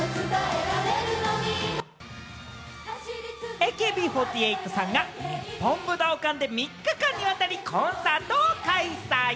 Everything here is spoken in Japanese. ＡＫＢ４８さんが日本武道館で３日間にわたりコンサートを開催。